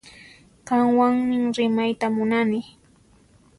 Qanwanmi rimayta munani